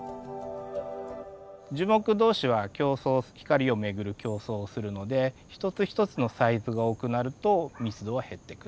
樹木同士は競争光を巡る競争をするので一つ一つのサイズが多くなると密度は減ってく。